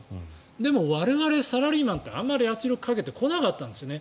でも我々サラリーマンってあまり圧力をかけてこなかったんですよね。